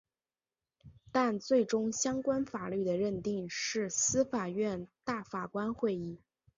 但最终相关法律的认定是司法院大法官会议。